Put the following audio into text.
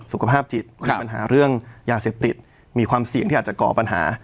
สุขภาพจิตมีปัญหาเรื่องยาเสพติดมีความเสี่ยงที่อาจจะก่อปัญหา